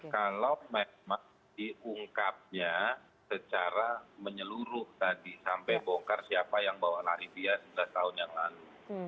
kalau memang diungkapnya secara menyeluruh tadi sampai bongkar siapa yang bawa lari dia sebelas tahun yang lalu